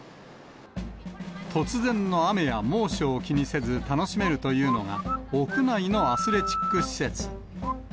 突然の雨や猛暑を気にせず楽しめるというのが、屋内のアスレチック施設。